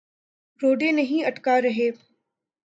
روڑے نہیں اٹکا رہے۔